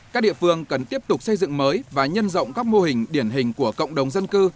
các địa phương cần tiếp tục xây dựng mới và nhân rộng các mô hình điển hình của cộng đồng dân cư